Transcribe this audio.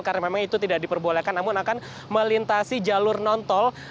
karena memang itu tidak diperbolehkan namun akan melintasi jalur non tol